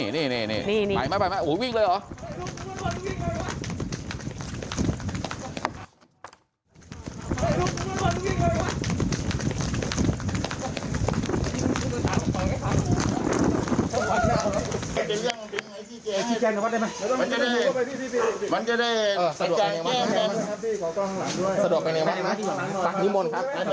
นี่ไปหัววิ่งเลยเหรอ